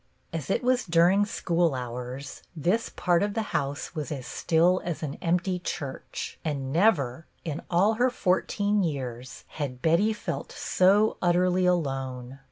As it was during school hours, this part of the house was as still as an empty church, and never, in all her fourteen years, had Betty felt so utterly alone.